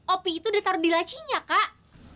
opi itu ditaruh di lacinya kak